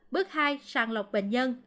bước hai sàng lọc bệnh nhân